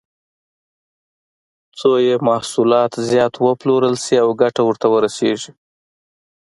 څو یې محصولات زیات وپلورل شي او ګټه ورته ورسېږي.